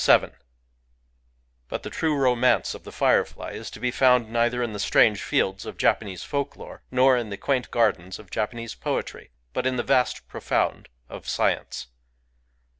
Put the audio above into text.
VII But the traexon^ance of the firefly is to be found neither in the strange fields of Japanese folk lore nor in the quaint gardens of Japanese poetry, but in the vast profound of science.